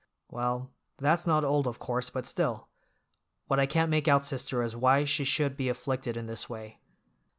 "Well, that's not old, of course, but still—What I can't make out, sister, is why she should be afflicted in this way.